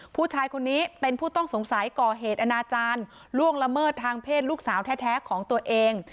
ผู้ชายคนนี้เป็นผู้ต้องสงสัยก่อเหตุอนาจารย์ล่วงละเมิดทางเพศลูกสาวแท้ของตัวเอง